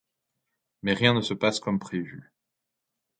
Mais rien ne se passe comme prévu.